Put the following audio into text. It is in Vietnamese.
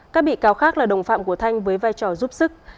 các bị cáo khác là đồng phạm của thanh với vai trò giúp sức